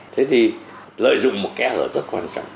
thế thì lợi dụng một kẽ hở rất quan trọng